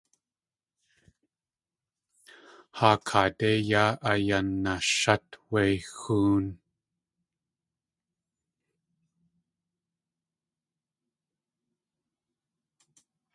Haa kaadé yaa ayanashát wé xóon.